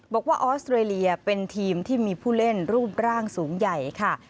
บอกว่าออสเตรเลียเป็นทีมที่มีผู้เล่นรูปร่างสูงใหญ่ค่ะ